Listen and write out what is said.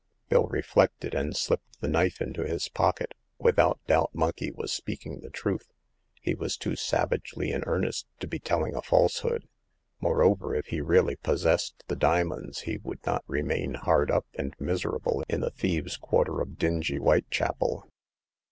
" Bill reflected, and slipped the knife into his pocket. Without doubt Monkey was speaking the truth ; he was too savagely in earnest to be telling a falsehood. Moreover, if he really pos sessed the diamonds, he would not remain hard up and miserable in the thieves' quarter of dingy Whitechapel.